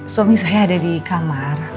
suami saya ada di kamar